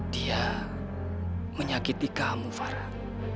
dia menyakiti kamu farah